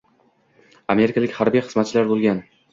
amerikalik harbiy xizmatchilar bo‘lgan.